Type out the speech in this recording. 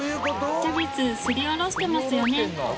キャベツすりおろしてますよね